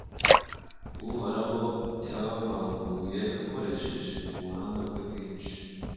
Uhoraho yabavanguye akoresheje ubuhanga bwe bwinshi,